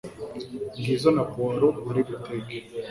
ngizo na puwaro uri buteke